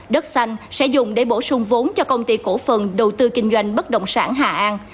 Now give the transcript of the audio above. đất xanh sẽ dùng để bổ sung vốn cho công ty cổ phần đầu tư kinh doanh bất động sản hà an